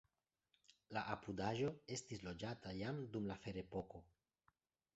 La apudaĵo estis loĝata jam dum la ferepoko.